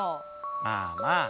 まあまあ。